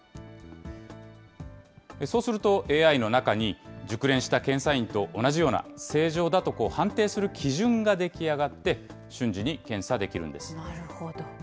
そうすると、ＡＩの中に熟練した検査員と同じような正常だと判定する基準が出来上がって、瞬時に検査できるんです。